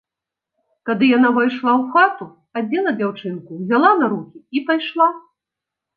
Тады яна ўвайшла ў хату, адзела дзяўчынку, узяла на рукі і пайшла.